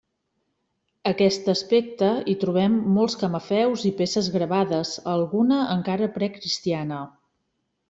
Aquest aspecte hi trobem molts camafeus i peces gravades, alguna encara precristiana.